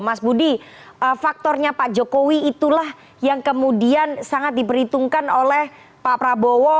mas budi faktornya pak jokowi itulah yang kemudian sangat diperhitungkan oleh pak prabowo